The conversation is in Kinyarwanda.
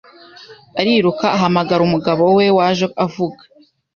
Ariruka ahamagara umugabo we waje avuga